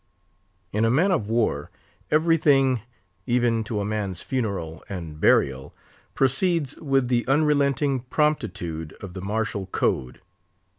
_" In a man of war, every thing, even to a man's funeral and burial, proceeds with the unrelenting promptitude of the martial code.